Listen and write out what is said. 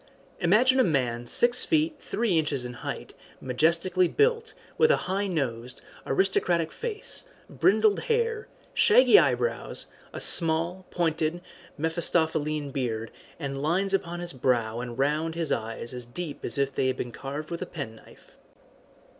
Imagine a man six feet three inches in height, majestically built, with a high nosed, aristocratic face, brindled hair, shaggy eyebrows, a small, pointed Mephistophelian beard, and lines upon his brow and round his eyes as deep as if they had been carved with a penknife.